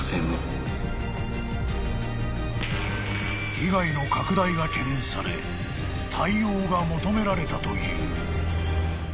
［被害の拡大が懸念され対応が求められたという］